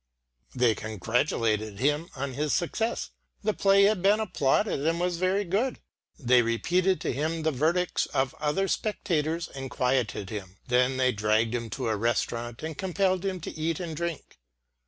They congratulated him on his success. The play had been applauded and was very good. They repeated to him the verdicts of other spectators and quieted him. Then they dragged him to a restaurant and compelled him to eat and drink.